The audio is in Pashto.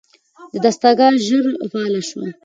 دستګاه ژر فعاله شوه.